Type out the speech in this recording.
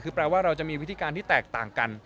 คือแปลว่าเราจะมีวิธีการที่แตกต่างกัน